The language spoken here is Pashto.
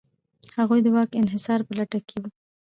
هغوی د واک انحصار په لټه کې و.